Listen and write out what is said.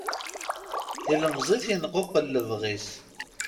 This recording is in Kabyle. Tilemẓit yenquqel lebɣi-s.